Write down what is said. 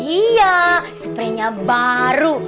iya suprihnya baru